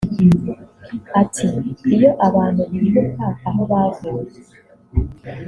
Ati "Iyo abantu bibuka aho bavuye